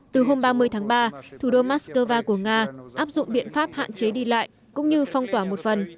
từ hôm ba mươi tháng ba thủ đô moscow của nga áp dụng biện pháp hạn chế đi lại cũng như phong tỏa một phần